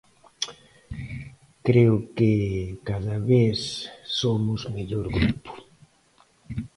Creo que cada vez somos mellor grupo.